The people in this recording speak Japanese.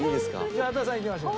じゃあ羽田さんいきましょう。